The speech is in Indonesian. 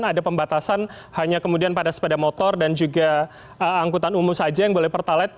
ada pembatasan hanya kemudian pada sepeda motor dan juga angkutan umum saja yang boleh pertalet